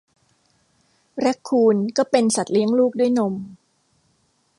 แรคคูนก็เป็นสัตว์เลี้ยงลูกด้วยนม